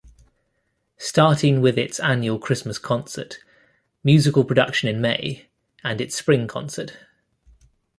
Starting with its annual Christmas concert, musical production in May, and its spring concert.